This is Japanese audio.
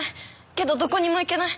けどどこにも行けない。